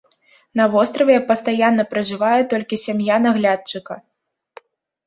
На востраве пастаянна пражывае толькі сям'я наглядчыка.